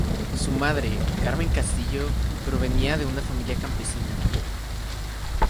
Su madre, Carmen Castillo, provenía de una familia campesina.